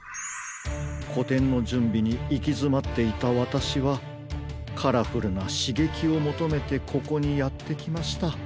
こてんのじゅんびにいきづまっていたわたしはカラフルなしげきをもとめてここにやってきました。